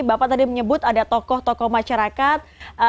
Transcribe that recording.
bapak tadi menyebut ada tokoh tokoh masyarakat